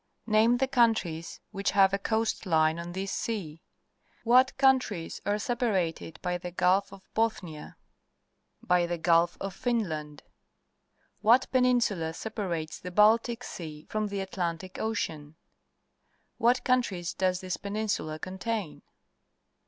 Name the countries which have a coast line on this sea. What countries are separated by the GulfqfBothnhi? By the Gulf of Finland? What peninsula separates the Baltic Sea from the Atlan tic Ocean ? What countries does this peninsula contain